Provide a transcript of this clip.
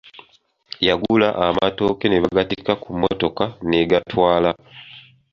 Yagula amatooke nebagattika ku mmotoka n'agatwala.